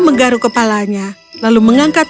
menggaru kepalanya lalu mengangkat